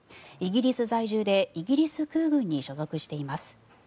イギリス在住でイギリス空軍に所属しています。